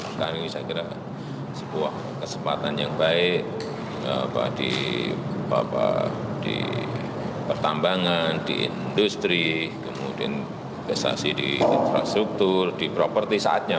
sekarang ini saya kira sebuah kesempatan yang baik di pertambangan di industri kemudian investasi di infrastruktur di properti saatnya